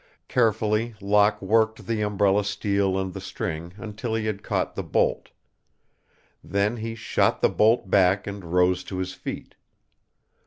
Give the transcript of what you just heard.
Carefully Locke worked the umbrella steel and the string until he had caught the bolt. Then he shot the bolt back and rose to his feet.